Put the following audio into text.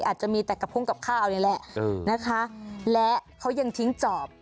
อาจจะมีแต่กระพุ่งกับข้าวนี่แหละนะคะและเขายังทิ้งจอบ